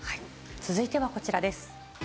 続いてはこちらです。